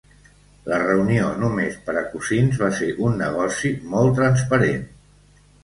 La reunió només per a cosins va ser un negoci molt transparent.